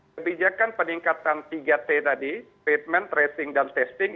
kebijakan peningkatan tiga t tadi treatment tracing dan testing